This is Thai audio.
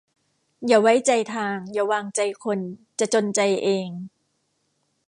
อย่าไว้ใจทาง อย่าวางใจคน จะจนใจเอง